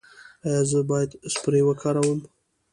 ایا زه باید سپری وکاروم؟